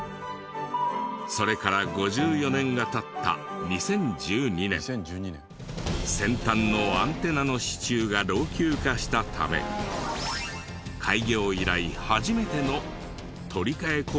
それから５４年が経った先端のアンテナの支柱が老朽化したため開業以来初めての取り換え工事が行われた。